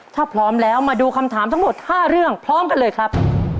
ถ้าพร้อมแล้วมาดูคำถามทั้งหมด๕เรื่องพร้อมกันเลยครับ